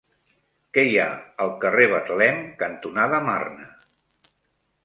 Què hi ha al carrer Betlem cantonada Marne?